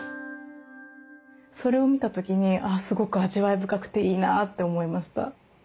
それを見た時にすごく味わい深くていいなって思いました。